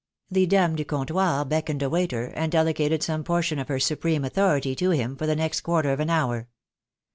The dame du comptoir beckoned a waiter, and de legated some portion of her supreme authority to him for the next quarter of an hour.